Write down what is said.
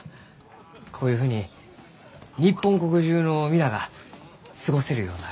こういうふうに日本国中の皆が過ごせるようになる。